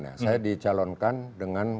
saya dicalonkan dengan